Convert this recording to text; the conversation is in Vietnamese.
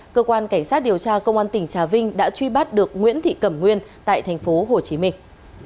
cơ quan cảnh sát điều tra công an tỉnh trà vinh đã truy bắt được nguyễn thị cẩm nguyên tại thành phố hồ chí minh